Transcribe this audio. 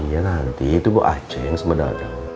iya nanti itu gue ajeng sebenernya